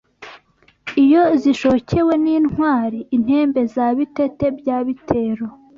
Iyo zishokewe n’intwari Intembe za Bitete bya Bitero